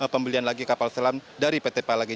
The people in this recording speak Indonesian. pembelian lagi kapal selam dari pt pal lagi